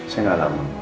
saya gak alamu